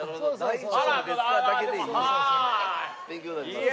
勉強になります。